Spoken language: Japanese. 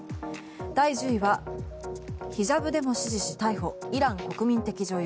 第１０位はヒジャブデモ支持し逮捕イラン国民的女優。